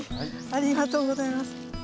ありがとうございます。